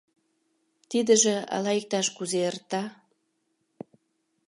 Тидыже ала иктаж-кузе эрта.